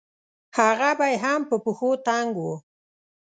هغه به يې هم په پښو تنګ وو.